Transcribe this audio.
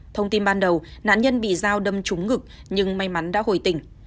thông tin ban đầu nạn nhân bị dao đâm trúng ngực nhưng may mắn đã hồi tình